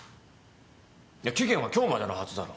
期限は今日までのはずだろ？